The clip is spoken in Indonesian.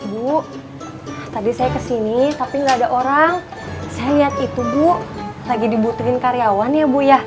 bu tadi saya kesini tapi nggak ada orang saya lihat itu bu lagi dibutuhkan karyawan ya bu ya